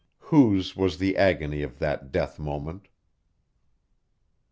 Whose was the agony of that death moment?